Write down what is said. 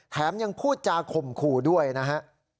ยังพูดจาข่มขู่ด้วยนะฮะ